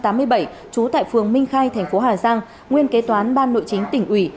trú tại phường minh khai thành phố hà giang nguyên kế toán ban nội chính tỉnh ủy